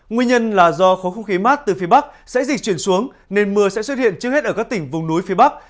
nguyên nhân là do khối không khí mát từ phía bắc sẽ dịch chuyển xuống nên mưa sẽ xuất hiện trước hết ở các tỉnh vùng núi phía bắc